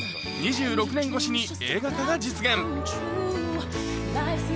２６年越しに映画化が実現。